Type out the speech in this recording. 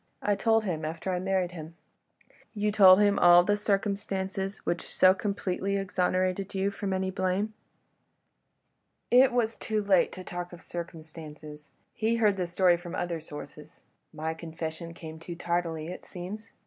... I told him after I married him. ..." "You told him all the circumstances—which so completely exonerated you from any blame?" "It was too late to talk of 'circumstances'; he heard the story from other sources; my confession came too tardily, it seems.